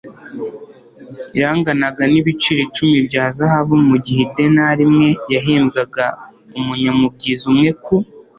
yanganaga n'ibiro icumi bya zahabu, mu gihe idenari imwe yahembwaga umunyamubyizi umwe ku